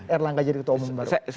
erlangga jadi ketua umum baru